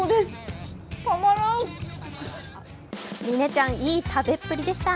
嶺ちゃん、いい食べっぷりでした。